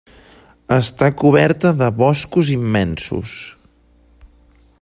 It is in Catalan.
Està coberta de boscos immensos.